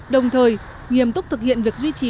đồng thời nghiêm túc thực hiện việc duy trì